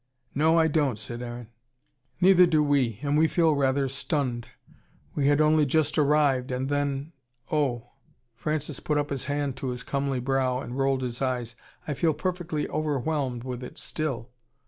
"No, I don't," said Aaron. "Neither do we. And we feel rather stunned. We had only just arrived and then Oh!" Francis put up his hand to his comely brow and rolled his eyes. "I feel perfectly overwhelmed with it still."